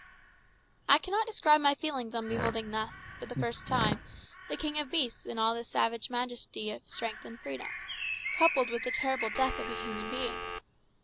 I cannot describe my feelings on beholding thus, for the first time, the king of beasts in all the savage majesty of strength and freedom, coupled with the terrible death of a human being.